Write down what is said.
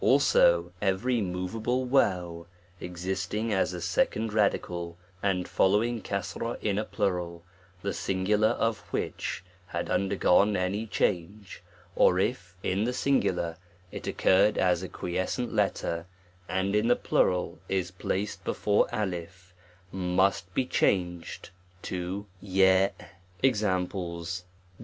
+ ALSO every moveable ^ existing as a second ra dical, and following in a plural, the singular of which had undergone any change ; or if, in the sin gular, it occurred as a quiescent letter, and in the plural is placed Tbefore I, must be changed to g* A TREATISE ON THE Examples.